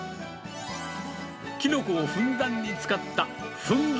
キノコをふんだんに使ったフンギ！